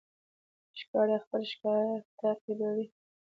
ښکاري خپل ښکار تعقیبوي.